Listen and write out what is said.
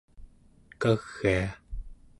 kagia